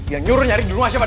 ya nyuruh nyari dulu masyarakat